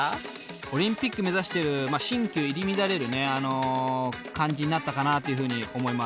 オリンピック目指している新旧入り乱れる感じになったかなっていうふうに思います。